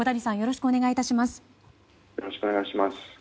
よろしくお願いします。